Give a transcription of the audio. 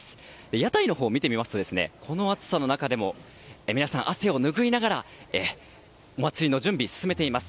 屋台のほうを見てみますとこの暑さの中でも皆さん汗を拭いながらお祭りの準備を進めています。